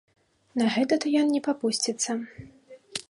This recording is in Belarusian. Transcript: На гэта то ён не папусціцца.